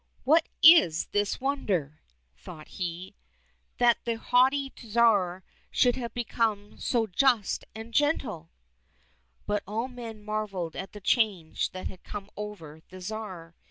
" What is this wonder ?" thought he, '* that the haughty Tsar should have become so just and gentle." — But all men marvelled at the change that had come over the Tsar.